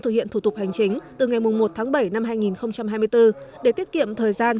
thực hiện thủ tục hành chính từ ngày một tháng bảy năm hai nghìn hai mươi bốn để tiết kiệm thời gian